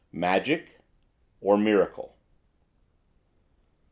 MAGIC? OR MIRACLE?